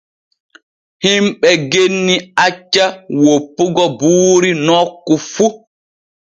Himɓe genni acca woppugo buuri nokku fu.